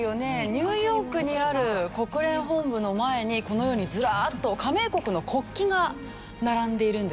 ニューヨークにある国連本部の前にこのようにずらーっと加盟国の国旗が並んでいるんですよね。